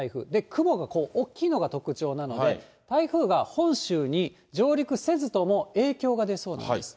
雲が大きいのが特徴なので、台風が本州に上陸せずとも影響が出そうなんです。